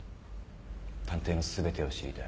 探偵の全てを知りたい。